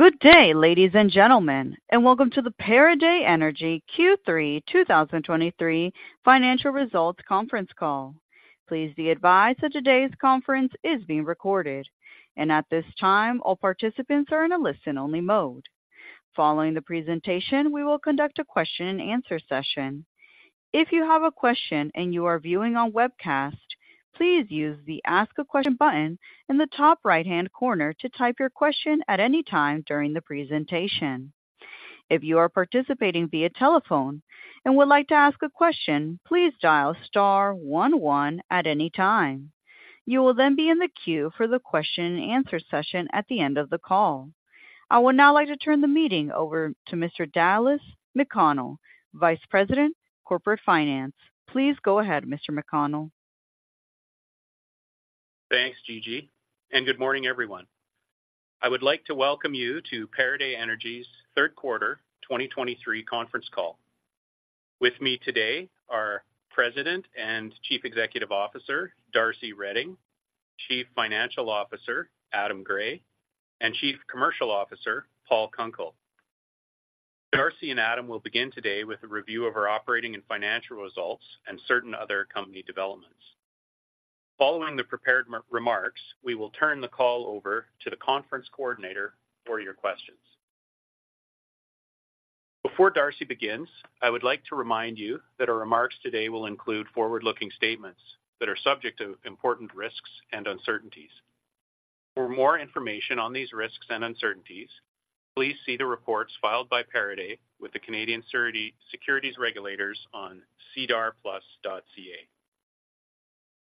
Good day, ladies and gentlemen, and welcome to the Pieridae Energy Q3 2023 financial results conference call. Please be advised that today's conference is being recorded, and at this time, all participants are in a listen-only mode. Following the presentation, we will conduct a question-and-answer session. If you have a question and you are viewing on webcast, please use the Ask a Question button in the top right-hand corner to type your question at any time during the presentation. If you are participating via telephone and would like to ask a question, please dial star one one at any time. You will then be in the queue for the question-and-answer session at the end of the call. I would now like to turn the meeting over to Mr. Dallas McConnell, Vice President, Corporate Finance. Please go ahead, Mr. McConnell. Thanks, Gigi, and good morning, everyone. I would like to welcome you to Pieridae Energy's third quarter 2023 conference call. With me today are President and Chief Executive Officer, Darcy Reding, Chief Financial Officer, Adam Gray, and Chief Commercial Officer, Paul Kunkel. Darcy and Adam will begin today with a review of our operating and financial results and certain other company developments. Following the prepared remarks, we will turn the call over to the conference coordinator for your questions. Before Darcy begins, I would like to remind you that our remarks today will include forward-looking statements that are subject to important risks and uncertainties. For more information on these risks and uncertainties, please see the reports filed by Pieridae with the Canadian Securities Regulators on SEDARplus.ca.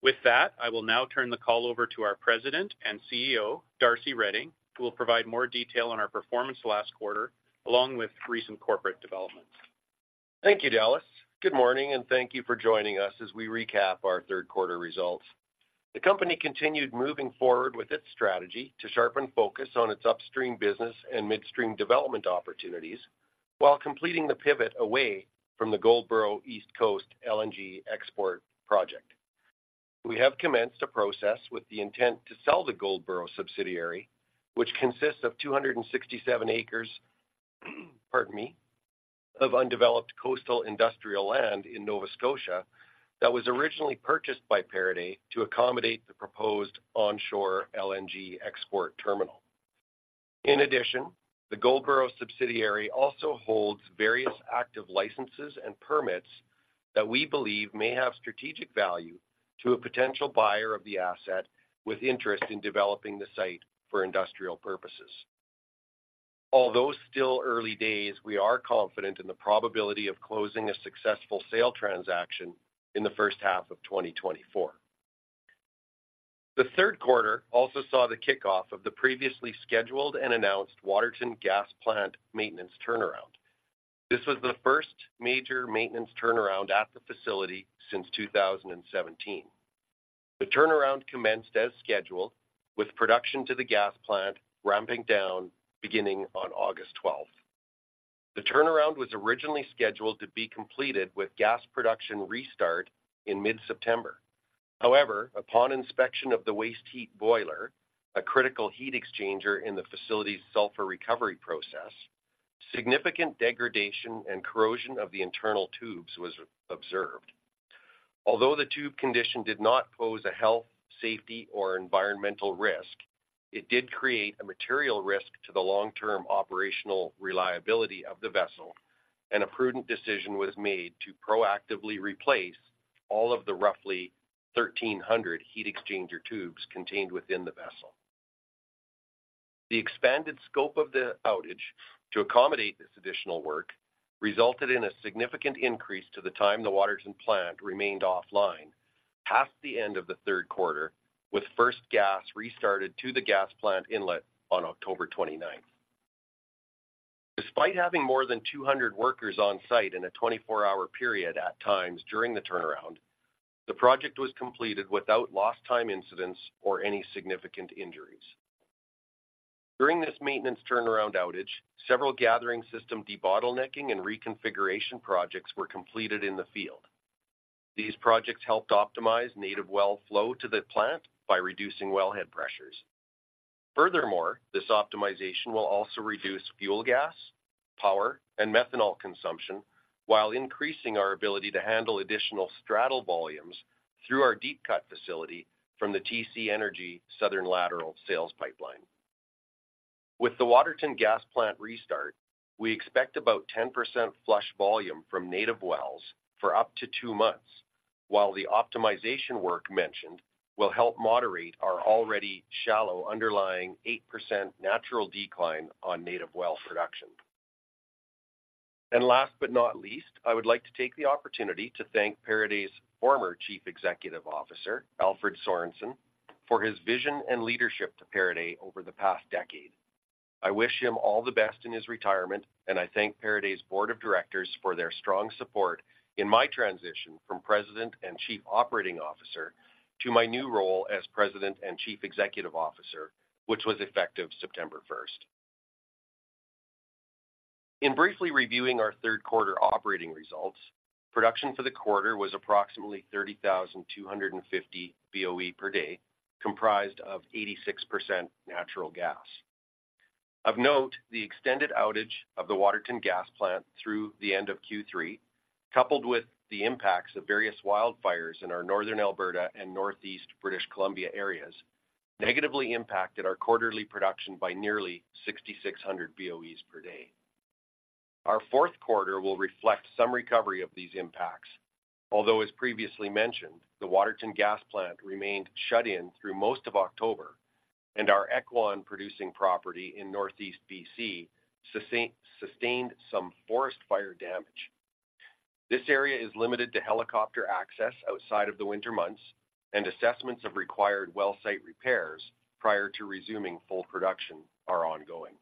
With that, I will now turn the call over to our President and CEO, Darcy Reding, who will provide more detail on our performance last quarter, along with recent corporate developments. Thank you, Dallas. Good morning, and thank you for joining us as we recap our third quarter results. The company continued moving forward with its strategy to sharpen focus on its upstream business and midstream development opportunities, while completing the pivot away from the Goldboro East Coast LNG export project. We have commenced a process with the intent to sell the Goldboro subsidiary, which consists of 267 acres, pardon me, of undeveloped coastal industrial land in Nova Scotia that was originally purchased by Pieridae to accommodate the proposed onshore LNG export terminal. In addition, the Goldboro subsidiary also holds various active licenses and permits that we believe may have strategic value to a potential buyer of the asset with interest in developing the site for industrial purposes. Although still early days, we are confident in the probability of closing a successful sale transaction in the first half of 2024. The third quarter also saw the kickoff of the previously scheduled and announced Waterton Gas Plant maintenance turnaround. This was the first major maintenance turnaround at the facility since 2017. The turnaround commenced as scheduled, with production to the gas plant ramping down beginning on August 12. The turnaround was originally scheduled to be completed with gas production restart in mid-September. However, upon inspection of the Waste Heat Boiler, a critical heat exchanger in the facility's sulfur recovery process, significant degradation and corrosion of the internal tubes was observed. Although the tube condition did not pose a health, safety, or environmental risk, it did create a material risk to the long-term operational reliability of the vessel, and a prudent decision was made to proactively replace all of the roughly 1,300 heat exchanger tubes contained within the vessel. The expanded scope of the outage to accommodate this additional work resulted in a significant increase to the time the Waterton plant remained offline, past the end of the third quarter, with first gas restarted to the gas plant inlet on October 29th. Despite having more than 200 workers on site in a 24-hour period at times during the turnaround, the project was completed without lost time incidents or any significant injuries. During this maintenance turnaround outage, several gathering system debottlenecking and reconfiguration projects were completed in the field. These projects helped optimize native well flow to the plant by reducing wellhead pressures. Furthermore, this optimization will also reduce fuel gas, power, and methanol consumption while increasing our ability to handle additional straddle volumes through our deep cut facility from the TC Energy Southern Lateral sales pipeline. With the Waterton Gas Plant restart, we expect about 10% flush volume from native wells for up to two months, while the optimization work mentioned will help moderate our already shallow underlying 8% natural decline on native well production. Last but not least, I would like to take the opportunity to thank Pieridae's former Chief Executive Officer, Alfred Sorensen, for his vision and leadership to Pieridae over the past decade. I wish him all the best in his retirement, and I thank Pieridae's Board of Directors for their strong support in my transition from President and Chief Operating Officer to my new role as President and Chief Executive Officer, which was effective September 1. In briefly reviewing our third quarter operating results, production for the quarter was approximately 30,250 Be per day, comprised of 86% natural gas. Of note, the extended outage of the Waterton gas plant through the end of Q3, coupled with the impacts of various wildfires in our northern Alberta and northeast British Columbia areas, negatively impacted our quarterly production by nearly 6,600 Boe per day. Our fourth quarter will reflect some recovery of these impacts, although, as previously mentioned, the Waterton gas plant remained shut in through most of October, and our Ekwan producing property in Northeast BC sustained some forest fire damage. This area is limited to helicopter access outside of the winter months, and assessments of required well site repairs prior to resuming full production are ongoing.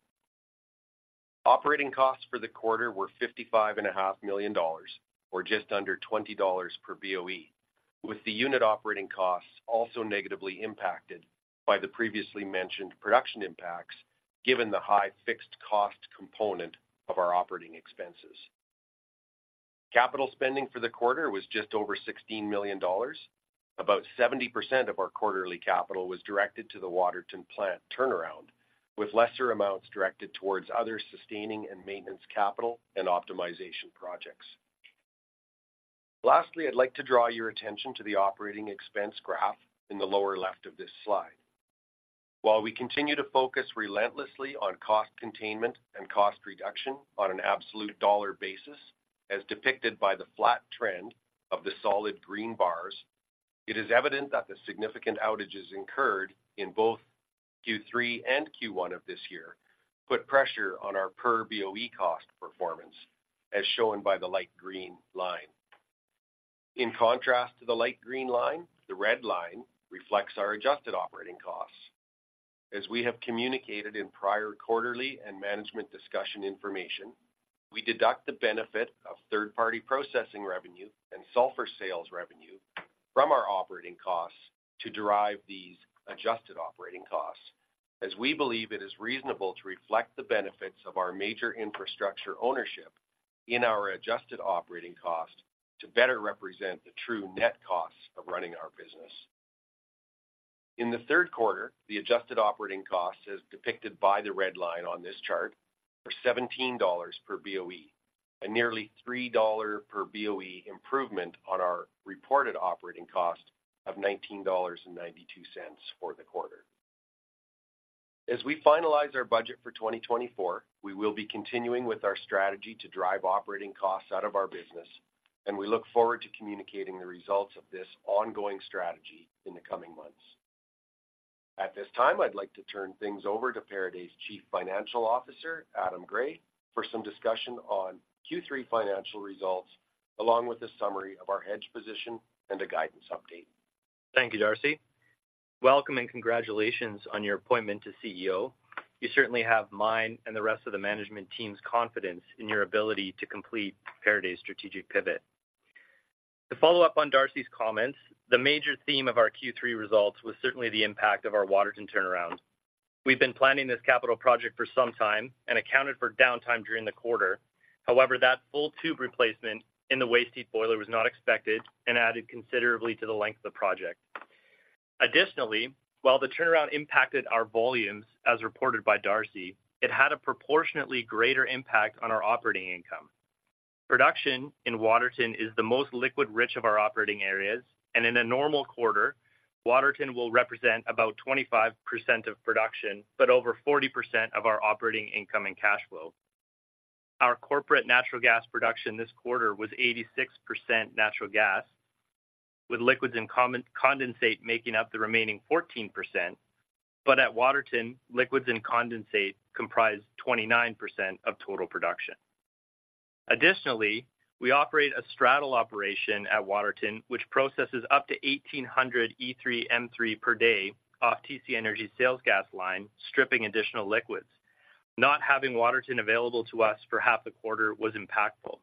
Operating costs for the quarter were 55.5 million dollars, or just under 20 dollars per Boe, with the unit operating costs also negatively impacted by the previously mentioned production impacts, given the high fixed cost component of our operating expenses. Capital spending for the quarter was just over 16 million dollars. About 70% of our quarterly capital was directed to the Waterton plant turnaround, with lesser amounts directed towards other sustaining and maintenance capital and optimization projects. Lastly, I'd like to draw your attention to the operating expense graph in the lower left of this slide. While we continue to focus relentlessly on cost containment and cost reduction on an absolute dollar basis, as depicted by the flat trend of the solid green bars, it is evident that the significant outages incurred in both Q3 and Q1 of this year put pressure on our per BOE cost performance, as shown by the light green line. In contrast to the light green line, the red line reflects our adjusted operating costs. As we have communicated in prior, quarterly, and management discussion information, we deduct the benefit of third-party processing revenue and sulfur sales revenue from our operating costs to derive these adjusted operating costs, as we believe it is reasonable to reflect the benefits of our major infrastructure ownership in our adjusted operating costs to better represent the true net costs of running our business. In the third quarter, the adjusted operating costs, as depicted by the red line on this chart, were 17 dollars per Boe, a nearly 3 dollar per Boe improvement on our reported operating cost of 19.92 dollars for the quarter. As we finalize our budget for 2024, we will be continuing with our strategy to drive operating costs out of our business, and we look forward to communicating the results of this ongoing strategy in the coming months. At this time, I'd like to turn things over to Pieridae's Chief Financial Officer, Adam Gray, for some discussion on Q3 financial results, along with a summary of our hedge position and a guidance update. Thank you, Darcy. Welcome and congratulations on your appointment to CEO. You certainly have mine and the rest of the management team's confidence in your ability to complete Pieridae's strategic pivot. To follow up on Darcy's comments, the major theme of our Q3 results was certainly the impact of our Waterton turnaround. We've been planning this capital project for some time and accounted for downtime during the quarter. However, that full tube replacement in the waste heat boiler was not expected and added considerably to the length of the project. Additionally, while the turnaround impacted our volumes, as reported by Darcy, it had a proportionately greater impact on our operating income. Production in Waterton is the most liquids-rich of our operating areas, and in a normal quarter, Waterton will represent about 25% of production, but over 40% of our operating income and cash flow. Our corporate natural gas production this quarter was 86% natural gas, with liquids and condensate making up the remaining 14%, but at Waterton, liquids and condensate comprise 29% of total production. Additionally, we operate a straddle operation at Waterton, which processes up to 1,800 E3M3 per day off TC Energy sales gas line, stripping additional liquids. Not having Waterton available to us for half the quarter was impactful.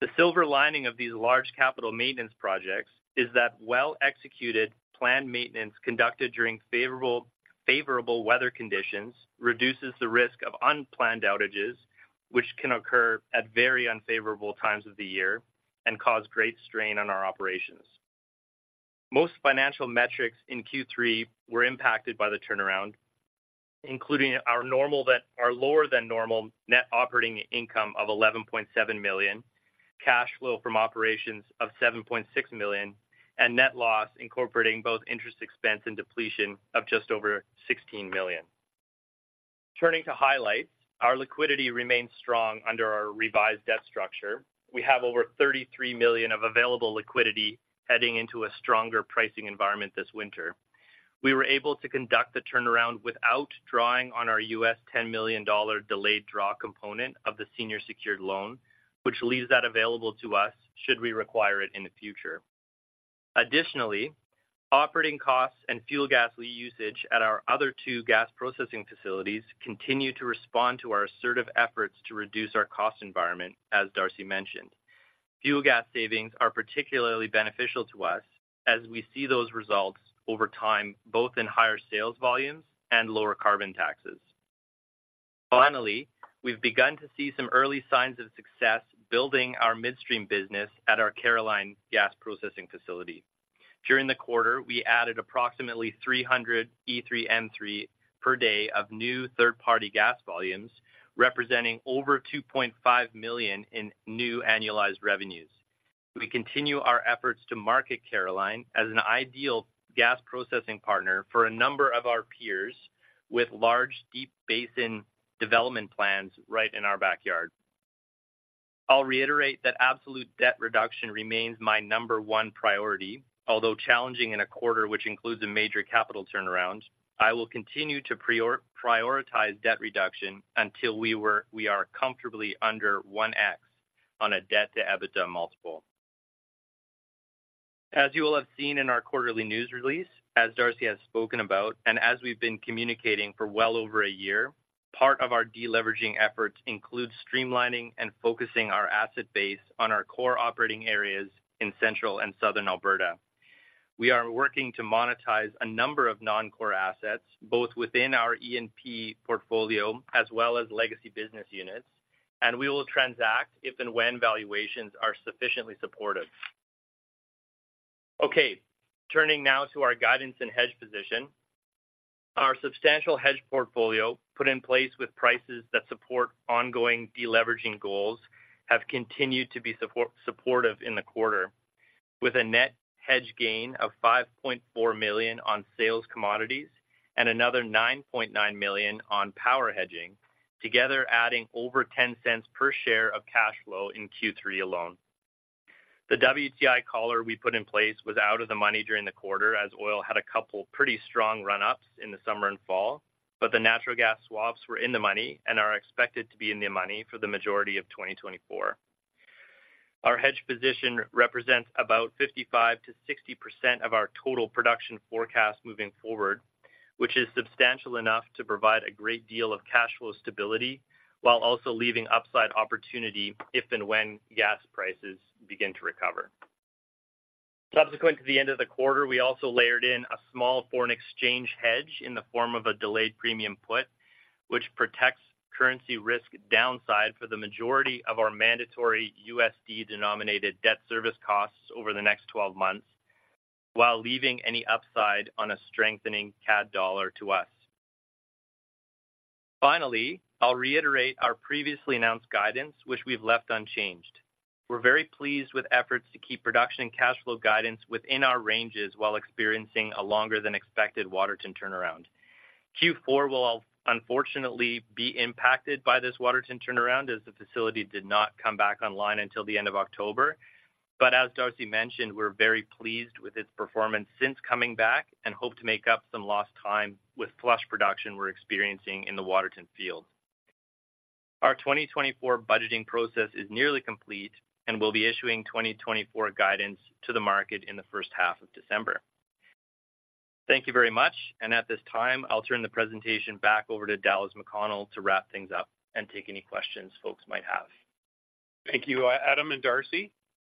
The silver lining of these large capital maintenance projects is that well-executed, planned maintenance conducted during favorable weather conditions, reduces the risk of unplanned outages, which can occur at very unfavorable times of the year and cause great strain on our operations. Most financial metrics in Q3 were impacted by the turnaround, including our lower-than-normal net operating income of 11.7 million, cash flow from operations of 7.6 million, and net loss incorporating both interest expense and depletion of just over 16 million. Turning to highlights, our liquidity remains strong under our revised debt structure. We have over 33 million of available liquidity heading into a stronger pricing environment this winter. We were able to conduct the turnaround without drawing on our $10 million delayed draw component of the senior secured loan, which leaves that available to us should we require it in the future. Additionally, operating costs and fuel gas usage at our other two gas processing facilities continue to respond to our assertive efforts to reduce our cost environment, as Darcy mentioned. Fuel gas savings are particularly beneficial to us as we see those results over time, both in higher sales volumes and lower carbon taxes. Finally, we've begun to see some early signs of success building our midstream business at our Caroline gas processing facility. During the quarter, we added approximately 300 E3M3 per day of new third-party gas volumes, representing over 2.5 million in new annualized revenues. We continue our efforts to market Caroline as an ideal gas processing partner for a number of our peers with large, deep basin development plans right in our backyard. I'll reiterate that absolute debt reduction remains my number one priority, although challenging in a quarter, which includes a major capital turnaround, I will continue to prioritize debt reduction until we are comfortably under 1x on a debt-to-EBITDA multiple. As you will have seen in our quarterly news release, as Darcy has spoken about, and as we've been communicating for well over a year, part of our deleveraging efforts include streamlining and focusing our asset base on our core operating areas in Central and Southern Alberta. We are working to monetize a number of non-core assets, both within our E&P portfolio as well as legacy business units, and we will transact if and when valuations are sufficiently supportive. Okay, turning now to our guidance and hedge position. Our substantial hedge portfolio, put in place with prices that support ongoing deleveraging goals, have continued to be supportive in the quarter, with a net hedge gain of 5.4 million on sales commodities and another 9.9 million on power hedging, together adding over 0.10 per share of cash flow in Q3 alone. The WTI collar we put in place was out of the money during the quarter, as oil had a couple pretty strong run-ups in the summer and fall, but the natural gas swaps were in the money and are expected to be in the money for the majority of 2024. Our hedge position represents about 55%-60% of our total production forecast moving forward, which is substantial enough to provide a great deal of cash flow stability while also leaving upside opportunity if and when gas prices begin to recover. Subsequent to the end of the quarter, we also layered in a small foreign exchange hedge in the form of a delayed premium put, which protects currency risk downside for the majority of our mandatory USD-denominated debt service costs over the next 12 months, while leaving any upside on a strengthening CAD dollar to us. Finally, I'll reiterate our previously announced guidance, which we've left unchanged. We're very pleased with efforts to keep production and cash flow guidance within our ranges while experiencing a longer than expected Waterton turnaround. Q4 will unfortunately be impacted by this Waterton turnaround, as the facility did not come back online until the end of October. But as Darcy mentioned, we're very pleased with its performance since coming back and hope to make up some lost time with flush production we're experiencing in the Waterton field. Our 2024 budgeting process is nearly complete, and we'll be issuing 2024 guidance to the market in the first half of December. Thank you very much, and at this time, I'll turn the presentation back over to Dallas McConnell to wrap things up and take any questions folks might have. Thank you, Adam and Darcy.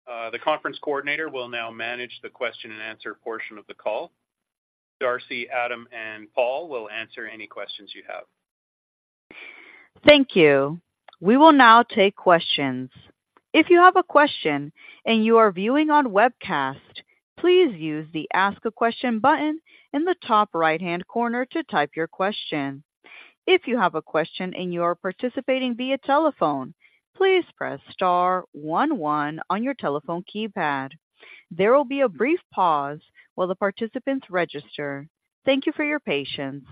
The conference coordinator will now manage the question and answer portion of the call. Darcy, Adam, and Paul will answer any questions you have. Thank you. We will now take questions. If you have a question and you are viewing on webcast, please use the Ask a Question button in the top right-hand corner to type your question. If you have a question and you are participating via telephone, please press star one one on your telephone keypad. There will be a brief pause while the participants register. Thank you for your patience.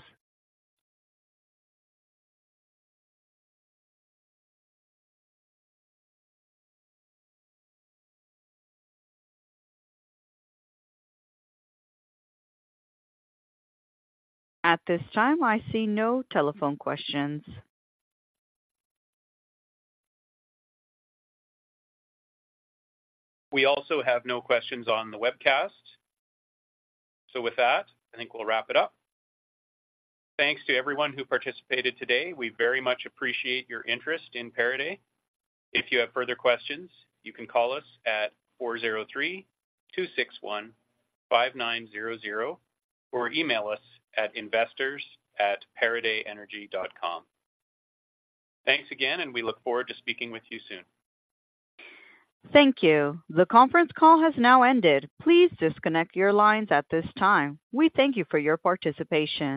At this time, I see no telephone questions. We also have no questions on the webcast. So with that, I think we'll wrap it up. Thanks to everyone who participated today. We very much appreciate your interest in Pieridae. If you have further questions, you can call us at 403-261-5900, or email us at investors@pieridaeenergy.com. Thanks again, and we look forward to speaking with you soon. Thank you. The conference call has now ended. Please disconnect your lines at this time. We thank you for your participation.